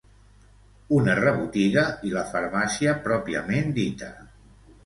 Una rebotiga i la farmàcia pròpiament dita.